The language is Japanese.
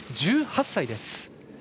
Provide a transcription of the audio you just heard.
１８歳です。